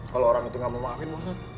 kalau orang itu gak memaafin pak ustadz